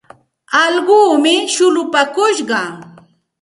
Allquumi shullupaakush.